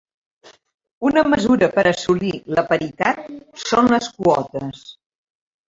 Una mesura per assolir la paritat són les quotes.